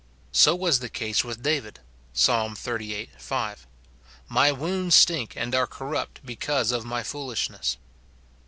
So was the case with David : Psa. xxxviii. 5, " My wounds stink and are corrupt because of my foolishness."